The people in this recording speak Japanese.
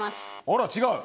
あら違う。